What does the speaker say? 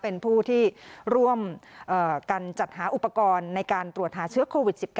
เป็นผู้ที่ร่วมกันจัดหาอุปกรณ์ในการตรวจหาเชื้อโควิด๑๙